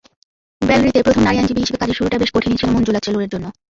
বেলরিতে প্রথম নারী আইনজীবী হিসেবে কাজের শুরুটা বেশ কঠিনই ছিল মঞ্জুলা চেলুরের জন্য।